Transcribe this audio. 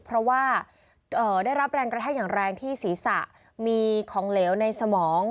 เพราะว่าได้รับแรงกระแทกอย่างแรงที่ศีรษะมีของเหลวในสมอง